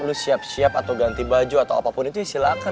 lu siap siap atau ganti baju atau apapun itu ya silahkan